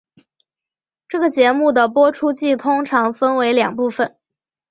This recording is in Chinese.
这个节目的播出季通常分为两部份。